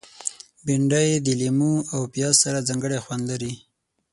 بېنډۍ د لیمو او پیاز سره ځانګړی خوند لري